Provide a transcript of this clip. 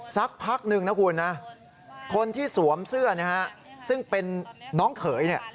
สักพักหนึ่งนะคุณคนที่สวมเสื้อซึ่งเป็นน้องเขย